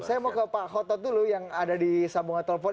saya mau ke pak khotot dulu yang ada di sambungan telepon